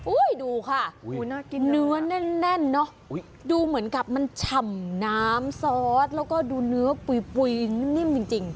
ดูค่ะเนื้อแน่นเนอะดูเหมือนกับมันฉ่ำน้ำซอสแล้วก็ดูเนื้อปุ๋ยนิ่มจริง